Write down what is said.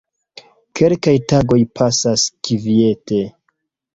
Kelkaj tagoj pasas kviete.